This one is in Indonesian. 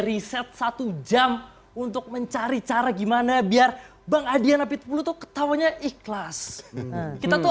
riset satu jam untuk mencari cara gimana biar bang adian apitupulu tuh ketawanya ikhlas kita tuh